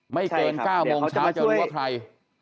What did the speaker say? ไม่เกิน๙โมงเช้าจะรู้ว่าใคร